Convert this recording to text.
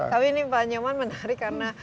tapi ini pak nyoman menarik karena